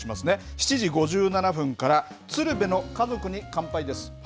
７時５７分から鶴瓶の家族に乾杯です。